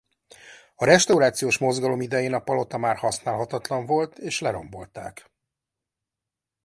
A Restaurációs mozgalom idején a palota már használhatatlan volt és lerombolták.